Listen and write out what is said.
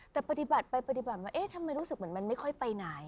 แต่ปฏิบัติไปปฏิบัติมาเอ๊ะทำไมรู้สึกเหมือนมันไม่ค่อยไปไหน